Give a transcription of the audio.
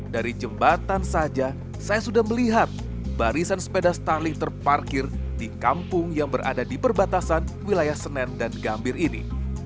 dari jembatan saja saya sudah melihat barisan sepeda starling terparkir di kampung yang berada di perbatasan wilayah senen dan gambir ini